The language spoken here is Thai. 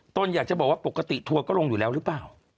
ตนอยากจะบอกว่าปกติทัวร์ก็ลงอยู่แล้วหรือเปล่า